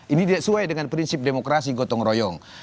ini tidak sesuai dengan prinsip demokrasi gotong royong